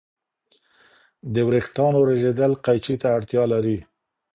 د وریښتانو رژیدل قیچي ته اړتیا لري.